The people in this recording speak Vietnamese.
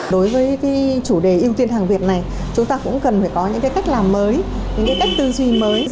đối với chủ đề ưu tiên hàng việt này chúng ta cũng cần phải có những cái cách làm mới những cái cách tư duy mới